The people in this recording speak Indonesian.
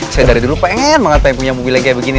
saya dari dulu pengen banget pengen punya mobilnya kayak begini